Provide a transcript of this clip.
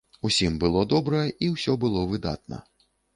Усім было добра, і ўсё было выдатна.